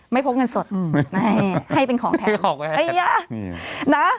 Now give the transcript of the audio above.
ไม่พบเงินสดให้เป็นของแทน